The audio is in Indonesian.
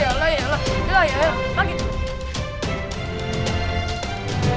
ya lah ya lah ya lah